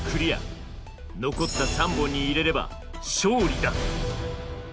残った３本に入れれば勝利だ。